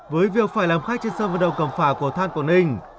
với việc phải làm khách trên sân vận động cầm phả của than quảng ninh